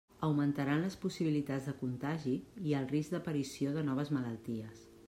Augmentaran les possibilitats de contagi i el risc d'aparició de noves malalties.